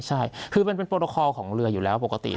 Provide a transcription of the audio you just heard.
ใช่คือมันเป็นโปรคอลของเรืออยู่แล้วปกติ